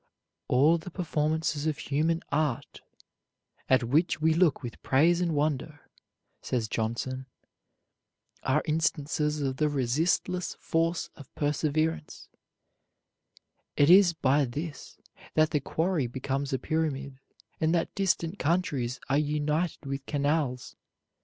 "All the performances of human art, at which we look with praise and wonder," says Johnson, "are instances of the resistless force of perseverance: it is by this that the quarry becomes a pyramid, and that distant countries are united with canals.